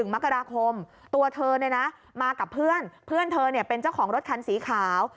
มกราคมตัวเธอมากับเพื่อนเพื่อนเธอเป็นเจ้าของรถคันสีขาว